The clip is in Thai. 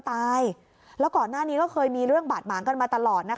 ตายแล้วก่อนหน้านี้ก็เคยมีเรื่องบาดหมางกันมาตลอดนะคะ